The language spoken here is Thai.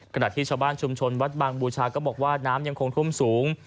ขณะที่ชาวบ้านชุมชนวัดบางบูชาก็บอกว่าน้ำยังคงท่วมสูง